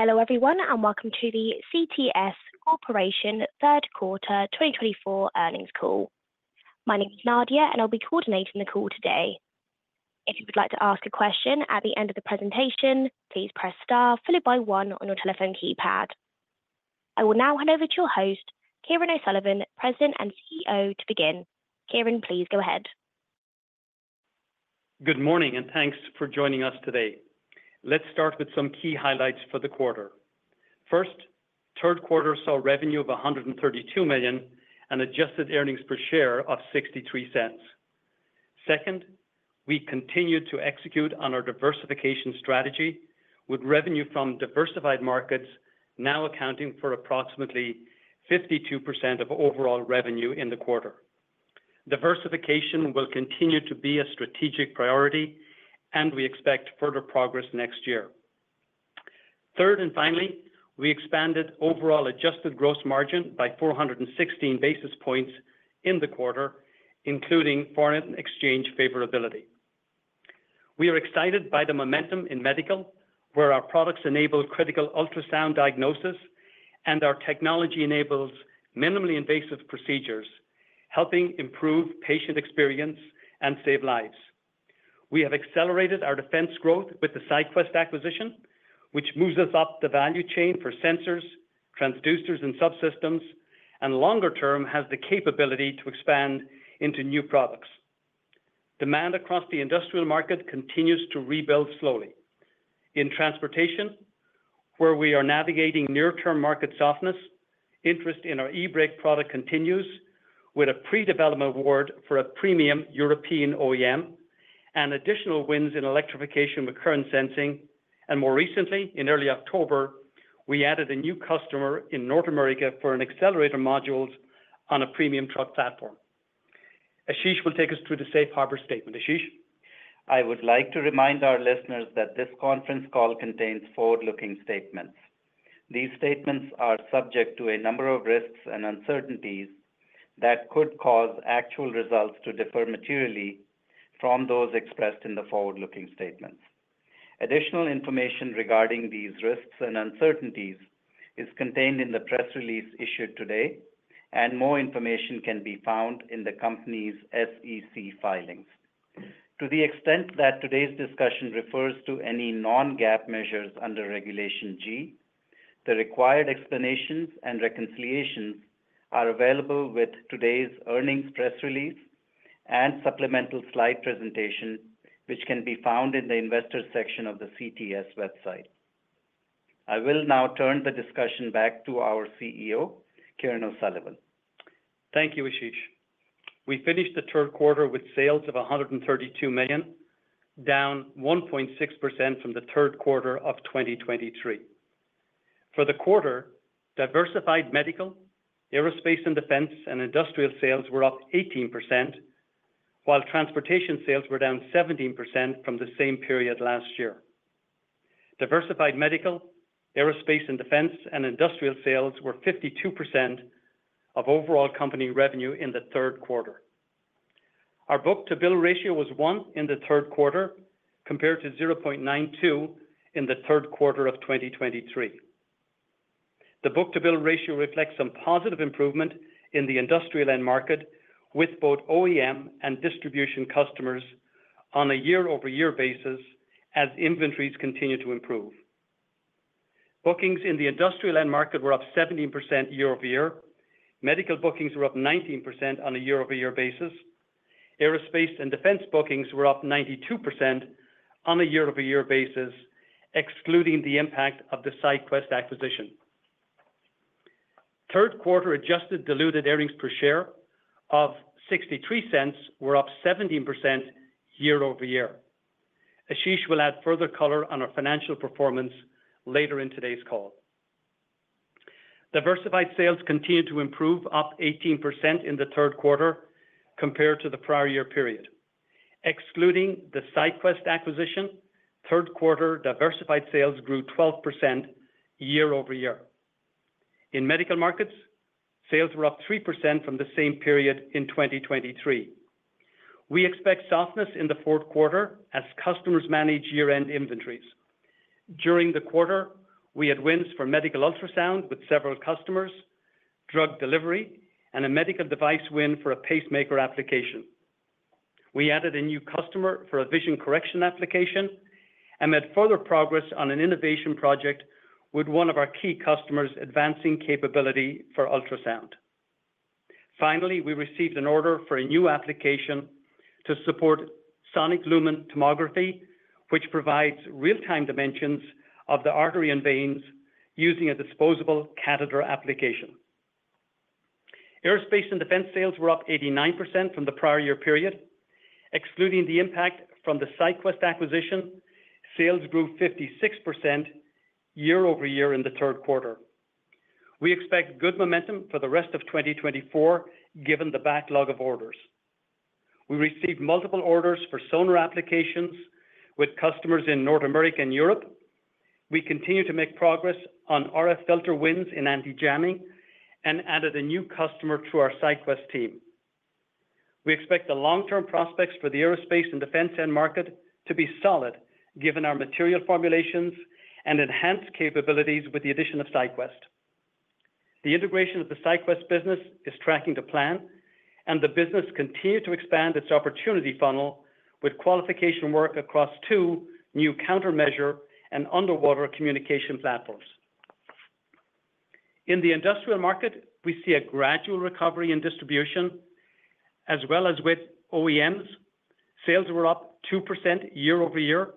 Hello everyone and welcome to the CTS Corporation Third Quarter 2024 earnings call. My name is Nadia and I'll be coordinating the call today. If you would like to ask a question at the end of the presentation, please press star followed by one on your telephone keypad. I will now hand over to your host, Kieran O'Sullivan, President and CEO, to begin. Kieran, please go ahead. Good morning and thanks for joining us today. Let's start with some key highlights for the quarter. First, third quarter saw revenue of $132 million and adjusted earnings per share of $0.63. Second, we continued to execute on our diversification strategy, with revenue from diversified markets now accounting for approximately 52% of overall revenue in the quarter. Diversification will continue to be a strategic priority, and we expect further progress next year. Third and finally, we expanded overall adjusted gross margin by 416 bps in the quarter, including foreign exchange favorability. We are excited by the momentum in medical, where our products enable critical ultrasound diagnosis, and our technology enables minimally invasive procedures, helping improve patient experience and save lives. We have accelerated our defense growth with the SyQwest acquisition, which moves us up the value chain for sensors, transducers, and subsystems, and longer term has the capability to expand into new products. Demand across the industrial market continues to rebuild slowly. In transportation, where we are navigating near-term market softness, interest in our eBrake product continues, with a pre-development award for a premium European OEM and additional wins in electrification with current sensing, and more recently, in early October, we added a new customer in North America for an accelerator module on a premium truck platform. Ashish will take us through the safe harbor statement. Ashish. I would like to remind our listeners that this conference call contains forward-looking statements. These statements are subject to a number of risks and uncertainties that could cause actual results to differ materially from those expressed in the forward-looking statements. Additional information regarding these risks and uncertainties is contained in the press release issued today, and more information can be found in the company's SEC filings. To the extent that today's discussion refers to any non-GAAP measures under Regulation G, the required explanations and reconciliations are available with today's earnings press release and supplemental slide presentation, which can be found in the investor section of the CTS website. I will now turn the discussion back to our CEO, Kieran O'Sullivan. Thank you, Ashish. We finished the third quarter with sales of $132 million, down 1.6% from the third quarter of 2023. For the quarter, diversified medical, aerospace and defense, and industrial sales were up 18%, while transportation sales were down 17% from the same period last year. Diversified medical, aerospace and defense, and industrial sales were 52% of overall company revenue in the third quarter. Our book-to-bill ratio was one in the third quarter, compared to 0.92 in the third quarter of 2023. The book-to-bill ratio reflects some positive improvement in the industrial end market, with both OEM and distribution customers on a year-over-year basis as inventories continue to improve. Bookings in the industrial end market were up 17% year-over-year. Medical bookings were up 19% on a year-over-year basis. Aerospace and defense bookings were up 92% on a year-over-year basis, excluding the impact of the SyQwest acquisition. Third quarter adjusted diluted earnings per share of $0.63 were up 17% year-over-year. Ashish will add further color on our financial performance later in today's call. Diversified sales continued to improve, up 18% in the third quarter compared to the prior year period. Excluding the SyQwest acquisition, third quarter diversified sales grew 12% year-over-year. In medical markets, sales were up 3% from the same period in 2023. We expect softness in the fourth quarter as customers manage year-end inventories. During the quarter, we had wins for medical ultrasound with several customers, drug delivery, and a medical device win for a pacemaker application. We added a new customer for a vision correction application and made further progress on an innovation project with one of our key customers advancing capability for ultrasound. Finally, we received an order for a new application to support sonic lumen tomography, which provides real-time dimensions of the artery and veins using a disposable catheter application. Aerospace and defense sales were up 89% from the prior year period. Excluding the impact from the SyQwest acquisition, sales grew 56% year-over-year in the third quarter. We expect good momentum for the rest of 2024, given the backlog of orders. We received multiple orders for sonar applications with customers in North America and Europe. We continue to make progress on RF filter wins in anti-jamming and added a new customer to our SyQwest team. We expect the long-term prospects for the aerospace and defense end market to be solid, given our material formulations and enhanced capabilities with the addition of SyQwest. The integration of the SyQwest business is tracking to plan, and the business continues to expand its opportunity funnel with qualification work across two new countermeasure and underwater communication platforms. In the industrial market, we see a gradual recovery in distribution, as well as with OEMs. Sales were up 2% year-over-year.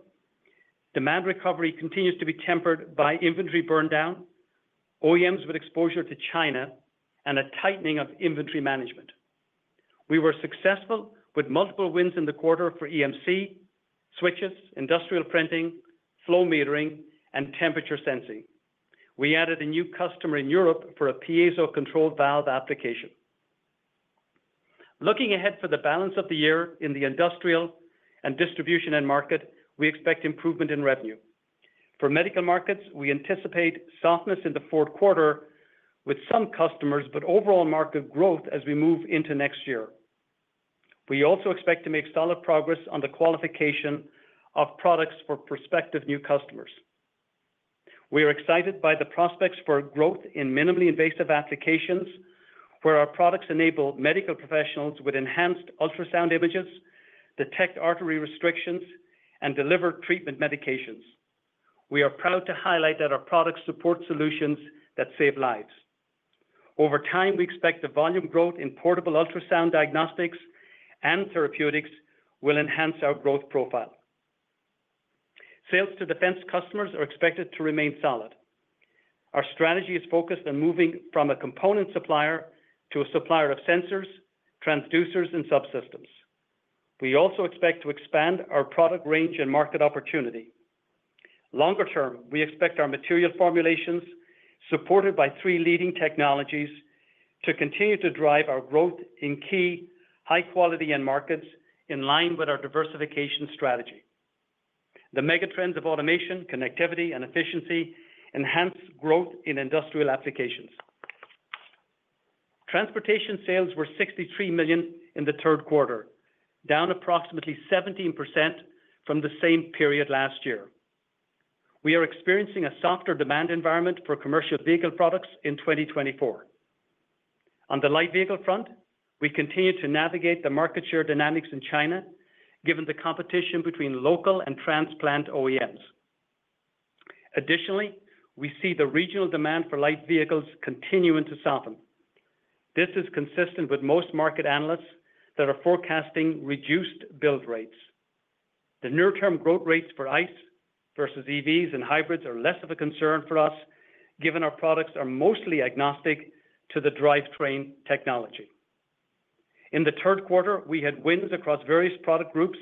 Demand recovery continues to be tempered by inventory burn down, OEMs with exposure to China, and a tightening of inventory management. We were successful with multiple wins in the quarter for EMC, switches, industrial printing, flow metering, and temperature sensing. We added a new customer in Europe for a piezo-controlled valve application. Looking ahead for the balance of the year in the industrial and distribution end market, we expect improvement in revenue. For medical markets, we anticipate softness in the fourth quarter with some customers, but overall market growth as we move into next year. We also expect to make solid progress on the qualification of products for prospective new customers. We are excited by the prospects for growth in minimally invasive applications, where our products enable medical professionals with enhanced ultrasound images to detect artery restrictions and deliver treatment medications. We are proud to highlight that our products support solutions that save lives. Over time, we expect the volume growth in portable ultrasound diagnostics and therapeutics will enhance our growth profile. Sales to defense customers are expected to remain solid. Our strategy is focused on moving from a component supplier to a supplier of sensors, transducers, and subsystems. We also expect to expand our product range and market opportunity. Longer term, we expect our material formulations, supported by three leading technologies, to continue to drive our growth in key high-quality end markets in line with our diversification strategy. The megatrends of automation, connectivity, and efficiency enhance growth in industrial applications. Transportation sales were $63 million in the third quarter, down approximately 17% from the same period last year. We are experiencing a softer demand environment for commercial vehicle products in 2024. On the light vehicle front, we continue to navigate the market share dynamics in China, given the competition between local and transplant OEMs. Additionally, we see the regional demand for light vehicles continuing to soften. This is consistent with most market analysts that are forecasting reduced build rates. The near-term growth rates for ICE versus EVs and hybrids are less of a concern for us, given our products are mostly agnostic to the drivetrain technology. In the third quarter, we had wins across various product groups,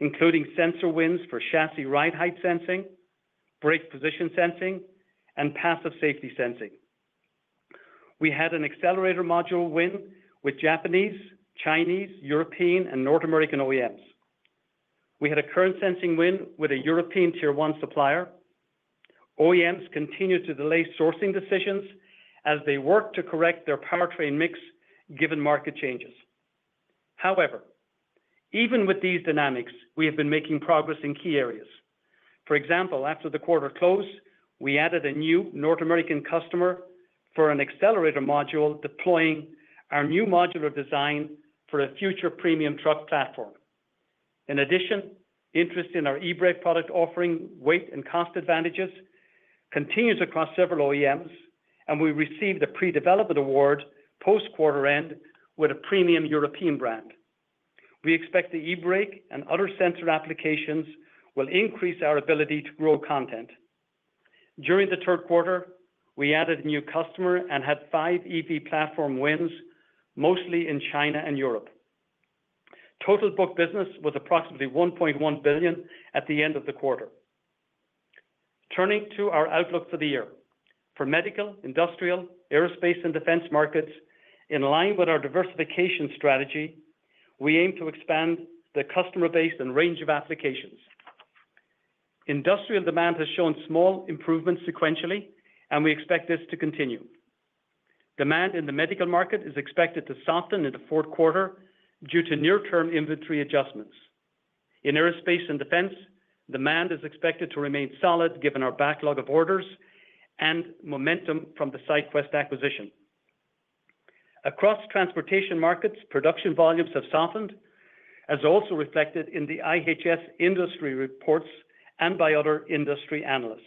including sensor wins for chassis ride height sensing, brake position sensing, and passive safety sensing. We had an accelerator module win with Japanese, Chinese, European, and North American OEMs. We had a current sensing win with a European Tier One supplier. OEMs continued to delay sourcing decisions as they worked to correct their powertrain mix, given market changes. However, even with these dynamics, we have been making progress in key areas. For example, after the quarter close, we added a new North American customer for an accelerator module, deploying our new modular design for a future premium truck platform. In addition, interest in our eBrake product offering weight and cost advantages continues across several OEMs, and we received a pre-development award post-quarter end with a premium European brand. We expect the eBrake and other sensor applications will increase our ability to grow content. During the third quarter, we added a new customer and had five EV platform wins, mostly in China and Europe. Total book business was approximately $1.1 billion at the end of the quarter. Turning to our outlook for the year, for medical, industrial, aerospace, and defense markets, in line with our diversification strategy, we aim to expand the customer base and range of applications. Industrial demand has shown small improvements sequentially, and we expect this to continue. Demand in the medical market is expected to soften in the fourth quarter due to near-term inventory adjustments. In aerospace and defense, demand is expected to remain solid, given our backlog of orders and momentum from the SyQwest acquisition. Across transportation markets, production volumes have softened, as also reflected in the IHS industry reports and by other industry analysts.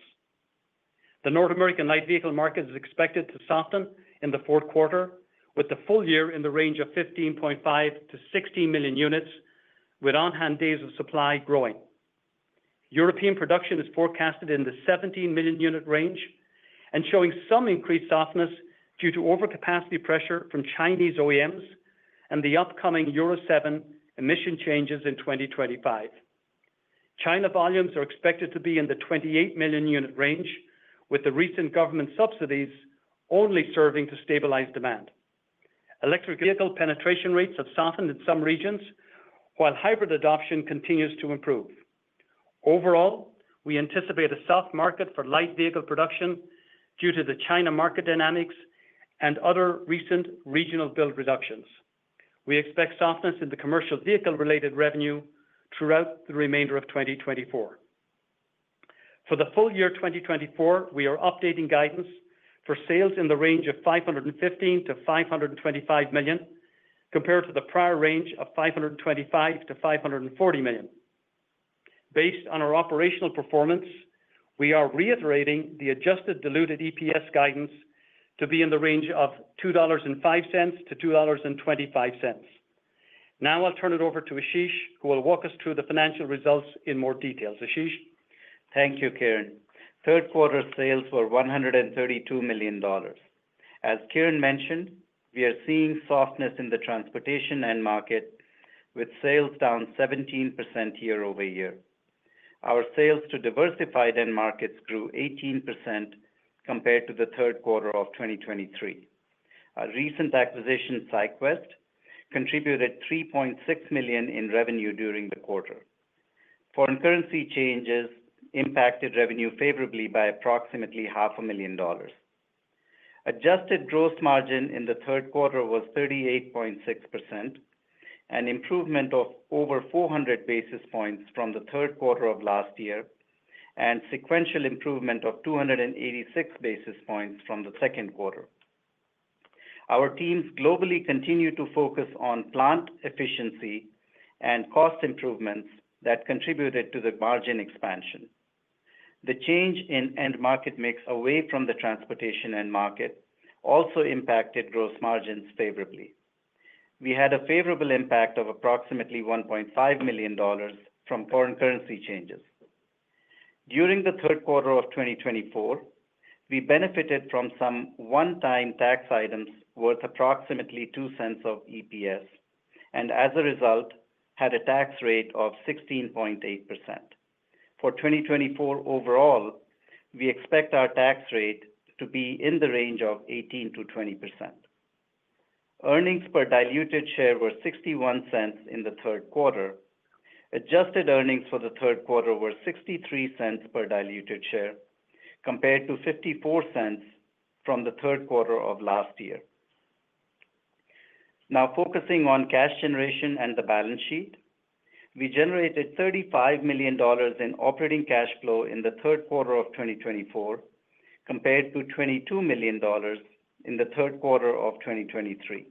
The North American light vehicle market is expected to soften in the fourth quarter, with the full year in the range of 15.5 to 16 million units, with on-hand days of supply growing. European production is forecasted in the 17 million unit range and showing some increased softness due to overcapacity pressure from Chinese OEMs and the upcoming Euro 7 emission changes in 2025. China volumes are expected to be in the 28 million unit range, with the recent government subsidies only serving to stabilize demand. Electric vehicle penetration rates have softened in some regions, while hybrid adoption continues to improve. Overall, we anticipate a soft market for light vehicle production due to the China market dynamics and other recent regional build reductions. We expect softness in the commercial vehicle-related revenue throughout the remainder of 2024. For the full year 2024, we are updating guidance for sales in the range of $515-$525 million, compared to the prior range of $525-$540 million. Based on our operational performance, we are reiterating the adjusted diluted EPS guidance to be in the range of $2.05-$2.25. Now I'll turn it over to Ashish, who will walk us through the financial results in more detail. Ashish. Thank you, Kieran. Third quarter sales were $132 million. As Kieran mentioned, we are seeing softness in the transportation end market, with sales down 17% year-over-year. Our sales to diversified end markets grew 18% compared to the third quarter of 2023. Our recent acquisition, SyQwest, contributed $3.6 million in revenue during the quarter. Foreign currency changes impacted revenue favorably by approximately $500,000. Adjusted gross margin in the third quarter was 38.6%, an improvement of over 400 bps from the third quarter of last year, and sequential improvement of 286 bps from the second quarter. Our teams globally continue to focus on plant efficiency and cost improvements that contributed to the margin expansion. The change in end market mix away from the transportation end market also impacted gross margins favorably. We had a favorable impact of approximately $1.5 million from foreign currency changes. During the third quarter of 2024, we benefited from some one-time tax items worth approximately $0.02 of EPS, and as a result, had a tax rate of 16.8%. For 2024 overall, we expect our tax rate to be in the range of 18%-20%. Earnings per diluted share were $0.61 in the third quarter. Adjusted earnings for the third quarter were $0.63 per diluted share, compared to $0.54 from the third quarter of last year. Now focusing on cash generation and the balance sheet, we generated $35 million in operating cash flow in the third quarter of 2024, compared to $22 million in the third quarter of 2023.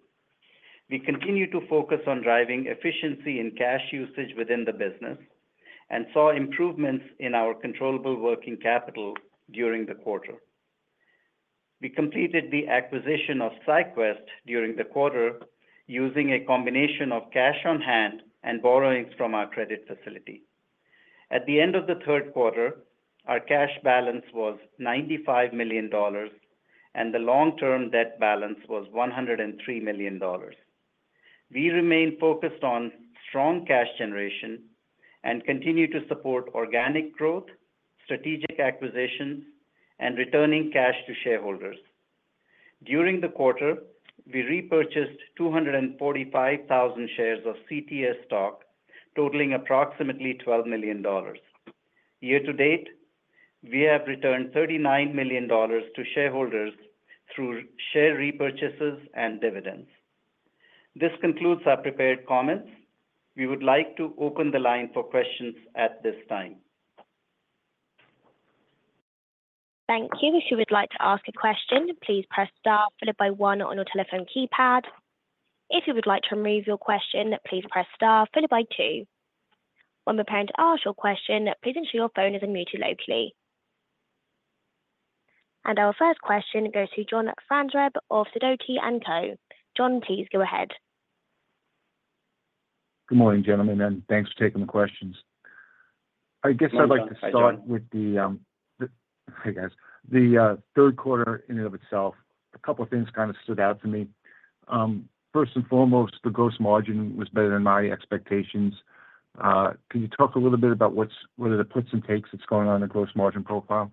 We continue to focus on driving efficiency in cash usage within the business and saw improvements in our controllable working capital during the quarter. We completed the acquisition of SyQwest during the quarter using a combination of cash on hand and borrowings from our credit facility. At the end of the third quarter, our cash balance was $95 million, and the long-term debt balance was $103 million. We remain focused on strong cash generation and continue to support organic growth, strategic acquisitions, and returning cash to shareholders. During the quarter, we repurchased 245,000 shares of CTS stock, totaling approximately $12 million. Year to date, we have returned $39 million to shareholders through share repurchases and dividends. This concludes our prepared comments. We would like to open the line for questions at this time. Thank you. If you would like to ask a question, please press star followed by one on your telephone keypad. If you would like to remove your question, please press star followed by two. When we're preparing to ask your question, please ensure your phone is on mute locally. Our first question goes to John Franzreb of Sidoti & Company. John, please go ahead. Good morning, gentlemen, and thanks for taking the questions. I guess I'd like to start with the third quarter in and of itself. A couple of things kind of stood out to me. First and foremost, the gross margin was better than my expectations. Can you talk a little bit about what are the puts and takes that's going on in the gross margin profile?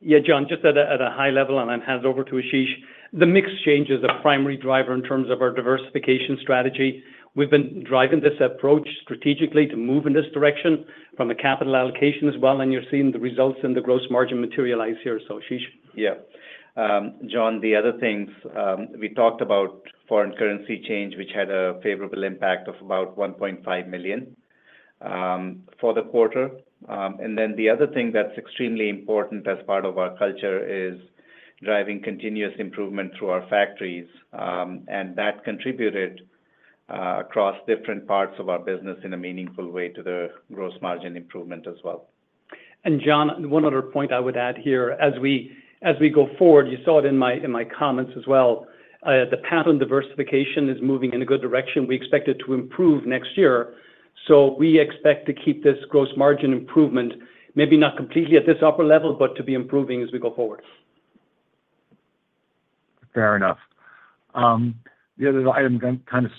Yeah, John, just at a high level, and I'm handing over to Ashish. The mix changes are a primary driver in terms of our diversification strategy. We've been driving this approach strategically to move in this direction from the capital allocation as well, and you're seeing the results in the gross margin materialize here. So, Ashish. Yeah. John, the other things we talked about, foreign currency change, which had a favorable impact of about $1.5 million for the quarter. And then the other thing that's extremely important as part of our culture is driving continuous improvement through our factories, and that contributed across different parts of our business in a meaningful way to the gross margin improvement as well. John, one other point I would add here, as we go forward. You saw it in my comments as well. The platform diversification is moving in a good direction. We expect it to improve next year. We expect to keep this gross margin improvement, maybe not completely at this upper level, but to be improving as we go forward. Fair enough. The other item that kind of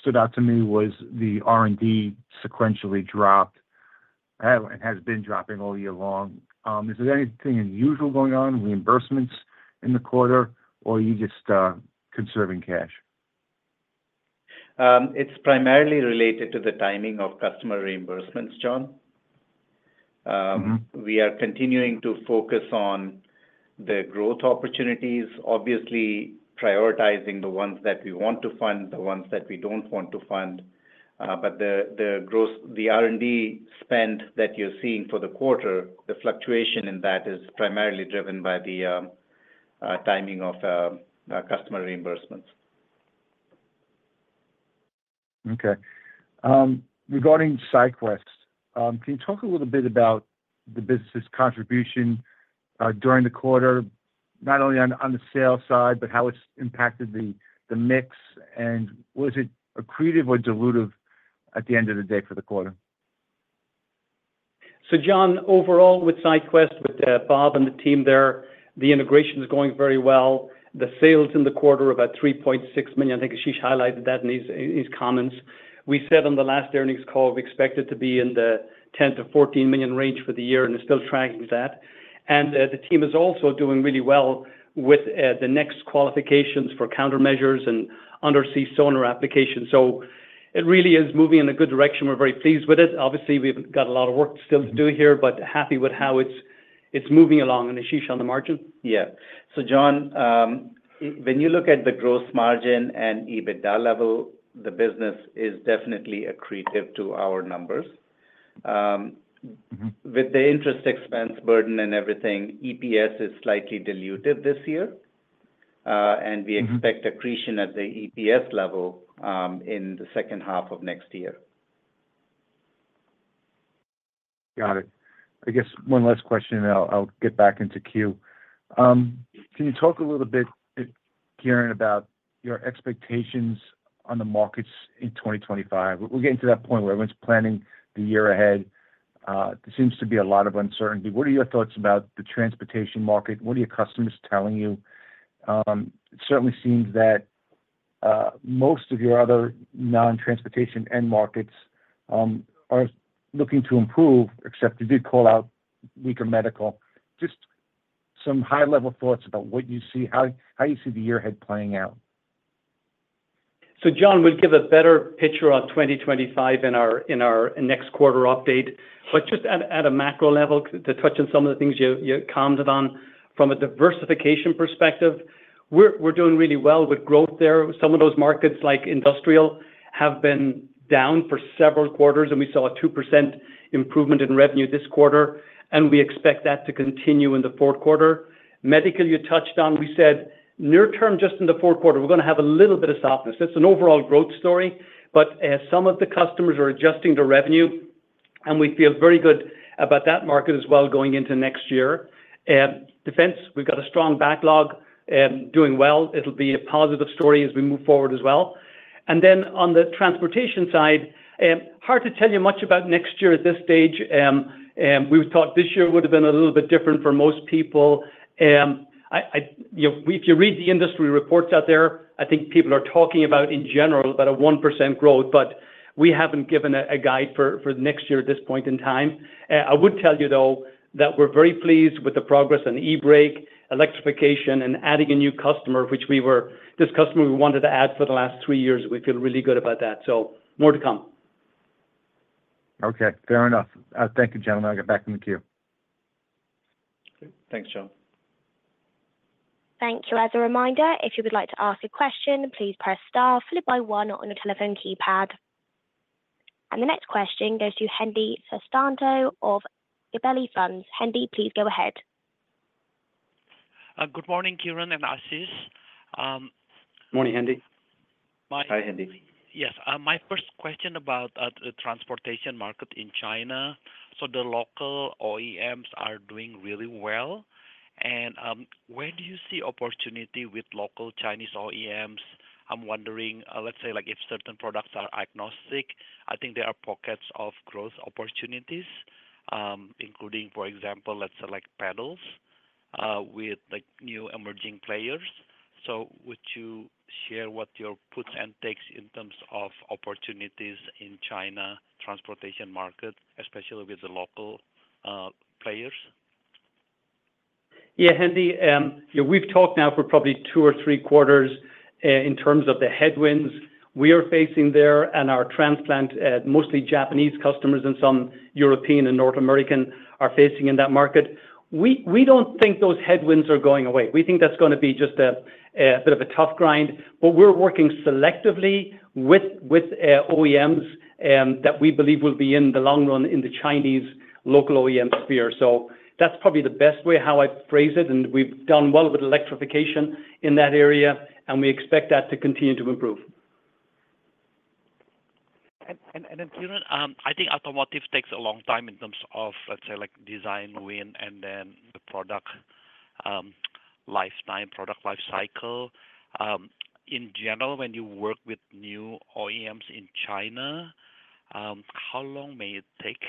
stood out to me was the R&D sequentially dropped. It has been dropping all year long. Is there anything unusual going on, reimbursements in the quarter, or are you just conserving cash? It's primarily related to the timing of customer reimbursements, John. We are continuing to focus on the growth opportunities, obviously prioritizing the ones that we want to fund, the ones that we don't want to fund. But the R&D spend that you're seeing for the quarter, the fluctuation in that is primarily driven by the timing of customer reimbursements. Okay. Regarding SyQwest, can you talk a little bit about the business's contribution during the quarter, not only on the sales side, but how it's impacted the mix, and was it accretive or dilutive at the end of the day for the quarter? So, John, overall with SyQwest, with Bob and the team there, the integration is going very well. The sales in the quarter are about $3.6 million. I think Ashish highlighted that in his comments. We said on the last earnings call we expect it to be in the $10-$14 million range for the year, and it's still tracking that. And the team is also doing really well with the next qualifications for countermeasures and undersea sonar applications. So it really is moving in a good direction. We're very pleased with it. Obviously, we've got a lot of work still to do here, but happy with how it's moving along. And Ashish, on the margin? Yeah. So, John, when you look at the gross margin and EBITDA level, the business is definitely accretive to our numbers. With the interest expense burden and everything, EPS is slightly diluted this year, and we expect accretion at the EPS level in the second half of next year. Got it. I guess one last question, and I'll get back into queue. Can you talk a little bit, Kieran, about your expectations on the markets in 2025? We'll get into that point where everyone's planning the year ahead. There seems to be a lot of uncertainty. What are your thoughts about the transportation market? What are your customers telling you? It certainly seems that most of your other non-transportation end markets are looking to improve, except you did call out weaker medical. Just some high-level thoughts about what you see, how you see the year ahead playing out. So, John, we'll give a better picture on 2025 in our next quarter update. But just at a macro level, to touch on some of the things you commented on, from a diversification perspective, we're doing really well with growth there. Some of those markets, like Industrial, have been down for several quarters, and we saw a 2% improvement in revenue this quarter, and we expect that to continue in the fourth quarter. Medical, you touched on, we said near-term, just in the fourth quarter, we're going to have a little bit of softness. It's an overall growth story, but some of the customers are adjusting to revenue, and we feel very good about that market as well going into next year. Defense, we've got a strong backlog, doing well. It'll be a positive story as we move forward as well. And then on the transportation side, hard to tell you much about next year at this stage. We would talk this year would have been a little bit different for most people. If you read the industry reports out there, I think people are talking about, in general, about a 1% growth, but we haven't given a guide for next year at this point in time. I would tell you, though, that we're very pleased with the progress on eBrake, electrification, and adding a new customer, which we were this customer we wanted to add for the last three years. We feel really good about that. So more to come. Okay. Fair enough. Thank you, gentlemen. I'll get back in the queue. Thanks, John. Thank you. As a reminder, if you would like to ask a question, please press star followed by one on your telephone keypad, and the next question goes to Hendi Susanto of Gabelli Funds. Hendi, please go ahead. Good morning, Kieran and Ashish. Morning, Hendi. Hi, Hendi. Yes. My first question about the transportation market in China. So the local OEMs are doing really well. And where do you see opportunity with local Chinese OEMs? I'm wondering, let's say, if certain products are agnostic, I think there are pockets of growth opportunities, including, for example, accelerator pedals with new emerging players. So would you share what your puts and takes in terms of opportunities in China transportation market, especially with the local players? Yeah, Hendi, we've talked now for probably two or three quarters in terms of the headwinds we are facing there and our transplant, mostly Japanese customers and some European and North American are facing in that market. We don't think those headwinds are going away. We think that's going to be just a bit of a tough grind, but we're working selectively with OEMs that we believe will be in the long run in the Chinese local OEM sphere, so that's probably the best way how I'd phrase it. And we've done well with electrification in that area, and we expect that to continue to improve. And then, Kieran, I think automotive takes a long time in terms of, let's say, design, win, and then the product lifetime, product life cycle. In general, when you work with new OEMs in China, how long may it take?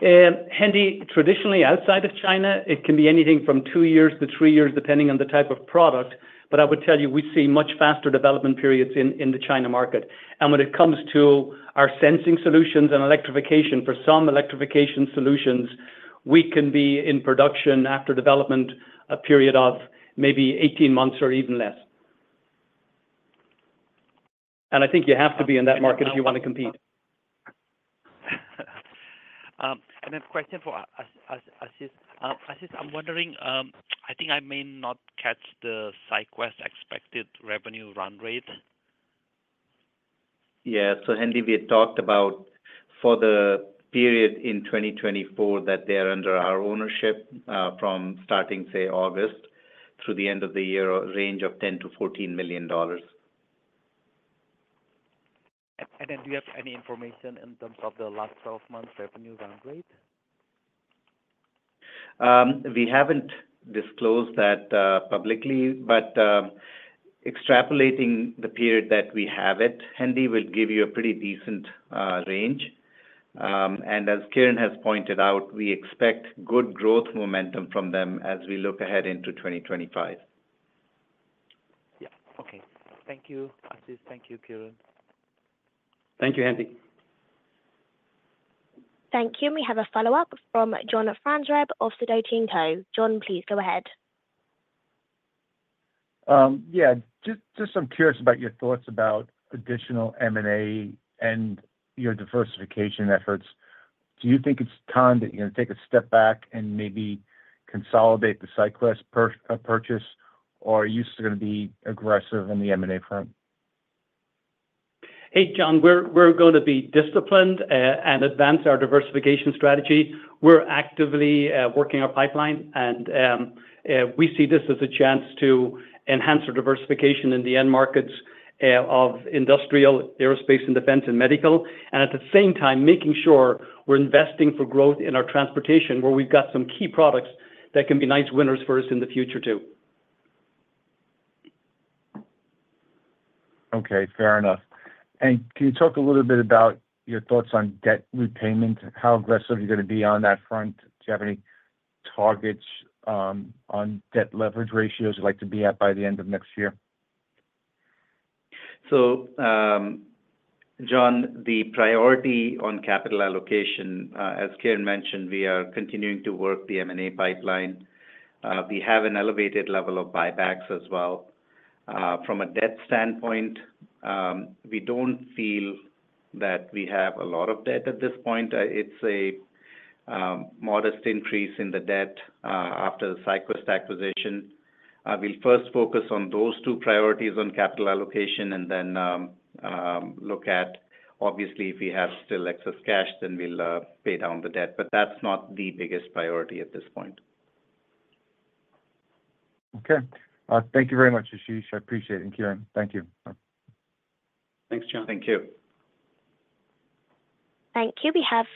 Hendi, traditionally, outside of China, it can be anything from two years to three years, depending on the type of product, but I would tell you, we see much faster development periods in the China market, and when it comes to our sensing solutions and electrification, for some electrification solutions, we can be in production after development a period of maybe 18 months or even less, and I think you have to be in that market if you want to compete. And then a question for Ashish. Ashish, I'm wondering, I think I may not catch the SyQwest expected revenue run rate. Yeah. Hendi, we had talked about for the period in 2024 that they are under our ownership from starting, say, August through the end of the year, a range of $10-$14 million. And then do you have any information in terms of the last 12 months' revenue run rate? We haven't disclosed that publicly, but extrapolating the period that we have it, Hendi will give you a pretty decent range. And as Kieran has pointed out, we expect good growth momentum from them as we look ahead into 2025. Yeah. Okay. Thank you, Ashish. Thank you, Kieran. Thank you, Hendi. Thank you. We have a follow-up from John Franzreb of Sidoti & Company. John, please go ahead. Yeah. Just I'm curious about your thoughts about additional M&A and your diversification efforts. Do you think it's time that you're going to take a step back and maybe consolidate the SyQwest purchase, or are you still going to be aggressive on the M&A front? Hey, John, we're going to be disciplined and advance our diversification strategy. We're actively working our pipeline, and we see this as a chance to enhance our diversification in the end markets of industrial, aerospace, and defense, and medical. And at the same time, making sure we're investing for growth in our transportation, where we've got some key products that can be nice winners for us in the future too. Okay. Fair enough. And can you talk a little bit about your thoughts on debt repayment? How aggressive are you going to be on that front? Do you have any targets on debt leverage ratios you'd like to be at by the end of next year? John, the priority on capital allocation, as Kieran mentioned, we are continuing to work the M&A pipeline. We have an elevated level of buybacks as well. From a debt standpoint, we don't feel that we have a lot of debt at this point. It's a modest increase in the debt after the SyQwest acquisition. We'll first focus on those two priorities on capital allocation and then look at, obviously, if we have still excess cash, then we'll pay down the debt. But that's not the biggest priority at this point. Okay. Thank you very much, Ashish. I appreciate it, Kieran. Thank you. Thanks, John. Thank you. Thank you. We have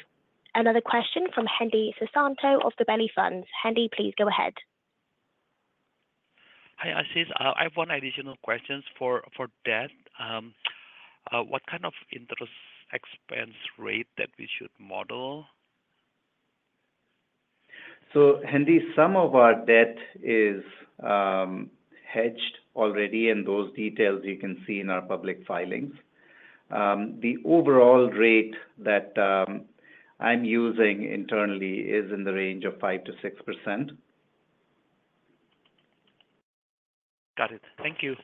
another question from Hendi Susanto of Gabelli Funds. Hendi, please go ahead. Hi, Ashish. I have one additional question for debt. What kind of interest expense rate that we should model? Hendi, some of our debt is hedged already, and those details you can see in our public filings. The overall rate that I'm using internally is in the range of 5%-6%. Got it. Thank you.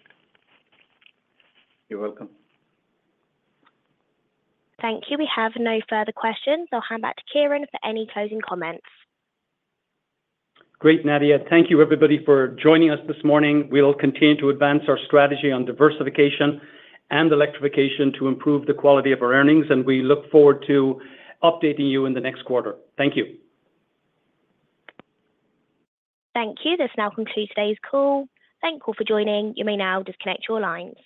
You're welcome. Thank you. We have no further questions. I'll hand back to Kieran for any closing comments. Great, Nadia. Thank you, everybody, for joining us this morning. We'll continue to advance our strategy on diversification and electrification to improve the quality of our earnings, and we look forward to updating you in the next quarter. Thank you. Thank you. This now concludes today's call. Thank you all for joining. You may now disconnect your lines.